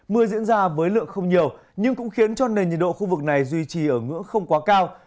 mưa diễn ra với lượng không nhiều nhưng cũng khiến cho nền nhiệt độ khu vực này duy trì ở ngưỡng không quá cao